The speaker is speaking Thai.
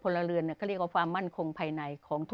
ภลเรือนเนี้ยก็เรียกว่าความมั่นคงภายในของทุกจังหวัด